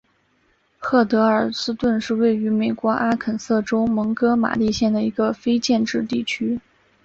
赫德尔斯顿是位于美国阿肯色州蒙哥马利县的一个非建制地区。